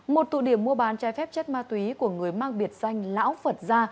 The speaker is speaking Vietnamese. một tụ điểm mua bán trái phép chất ma túy của người mang biệt danh lão phật gia